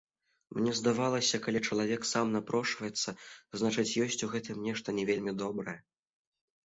Мне здавалася, калі чалавек сам напрошваецца, значыць, ёсць у гэтым нешта не вельмі добрае.